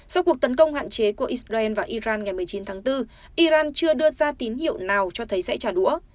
sau cuộc tấn công hạn chế của israel vào iran ngày một mươi chín tháng bốn iran chưa đưa ra tín hiệu nào cho thấy sẽ trả đũa